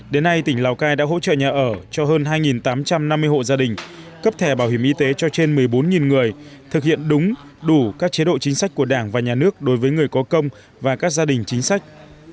đến nay tỉnh lào cai đã hỗ trợ nhà ở cho hơn hai tám trăm năm mươi hộ gia đình cấp thẻ bảo hiểm y tế cho trên một mươi bốn người thực hiện đúng đủ các chế độ chính sách của đảng và nhà nước đối với người có công và các gia đình chính sách